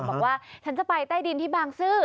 บอกว่าฉันจะไปใต้ดินที่บางซื่อ